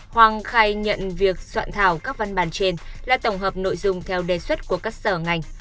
hoàng khai nhận việc soạn thảo các văn bản trên là tổng hợp nội dung theo đề xuất của các sở ngành